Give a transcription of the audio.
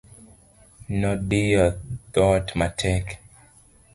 Nodiyo dhoot matek.